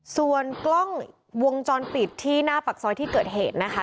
ส่วนกล้องวงจรปิดที่หน้าปากซอยที่เกิดเหตุนะคะ